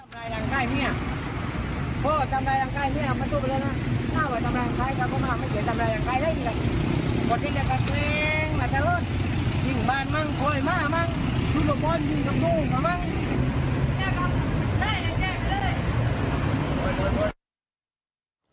มันอยู่ตรงนู้นไหมแยกครับแยกแยกแยกแยก